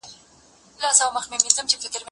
درسونه د زده کوونکي له خوا اورېدلي کيږي